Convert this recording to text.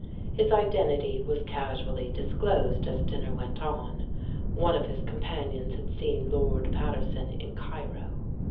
His identity was casually disclosed as dinner went on ; one of his companions had seen Lord Paterson in Cairo.